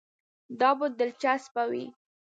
دا به دلچسپه وي.